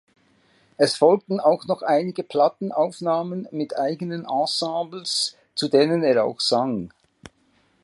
Es folgten auch noch einige Platten-Aufnahmen mit eigenen Ensembles, zu denen er auch sang.